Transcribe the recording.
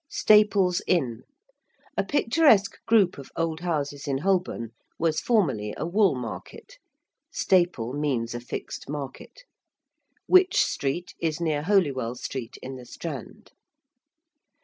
~Staples Inn~: a picturesque group of old houses in Holborn was formerly a wool market (staple means a fixed market). ~Wych Street~ is near Holywell Street in the Strand.